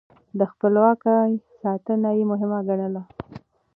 د خپلواکۍ ساتنه يې مهمه ګڼله.